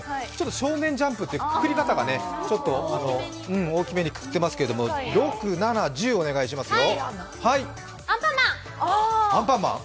「少年ジャンプ」というくくり方がちょっと大きめにくくってますけど、６、７、１０、お願いしますよ。